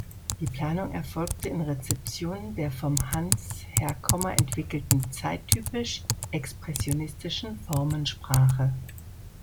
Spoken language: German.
Die Planung erfolgte in Rezeption der vom Hans Herkommer entwickelten zeittypisch, expressionistischen Formensprache.